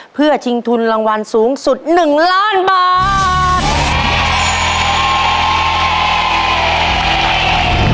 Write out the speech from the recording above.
เพื่อชิงทุนรางวัลสูงสุด๑ล้านบาท